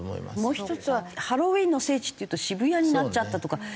もう１つはハロウィーンの聖地っていうと渋谷になっちゃったとか。